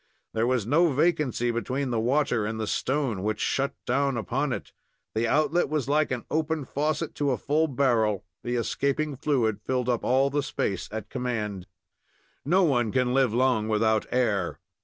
There was no vacancy between the water and the stone which shut down upon it. The outlet was like an open faucet to a full barrel. The escaping fluid filled up all the space at command. No one can live long without air.